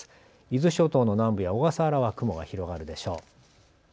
伊豆諸島の南部や小笠原は雲が広がるでしょう。